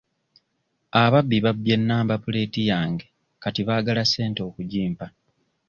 Ababbi babbye namba puleeti yange kati baagala ssente okugimpa.